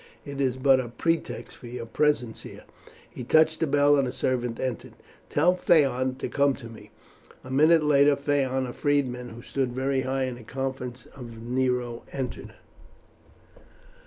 It is but a pretext for your presence here." He touched a bell and a servant entered. "Tell Phaon to come to me." A minute later Phaon, a freedman who stood very high in the confidence of Nero, entered.